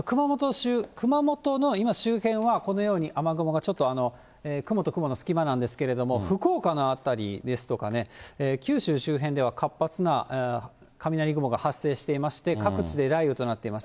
熊本の周辺はこのように雨雲が、ちょっと雲と雲の隙間なんですけれども、福岡の辺りですとか、九州周辺では活発な雷雲が発生していまして、各地で雷雨となっています。